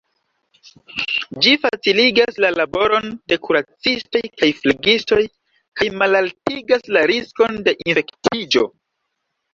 Ĝi faciligas la laboron de kuracistoj kaj flegistoj, kaj malaltigas la riskon de infektiĝo.